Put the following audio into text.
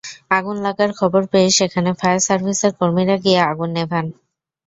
আগুন লাগার খবর পেয়ে সেখানে ফায়ার সার্ভিসের কর্মীরা গিয়ে আগুন নেভান।